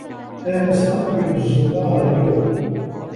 لا نستقبل الزوّار اليوم.